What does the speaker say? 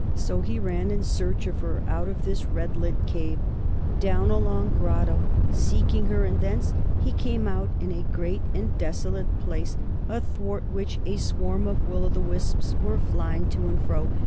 So he ran in search of her out of this red lit cave, down a long grotto, seeking her, and thence he came out in a great and desolate place athwart which a swarm of will o' the wisps were flying to and fro.